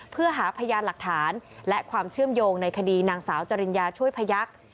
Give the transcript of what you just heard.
เพื่อหาพยานหลักฐานและความเชื่อมโยงในคดีนางสาวจริญญาช่วยพยักษ์